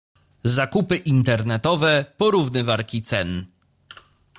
Zakupy internetowe, porównywarki cen.